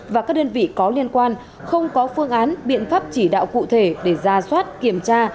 và các đơn vị có liên quan không có phương án biện pháp chỉ đạo cụ thể để ra soát kiểm tra